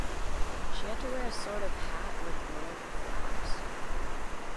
She had to wear a sort of hat with long flaps.